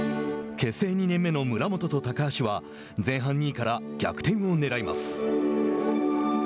結成２年目の村元と高橋は前半２位から逆転をねらいます。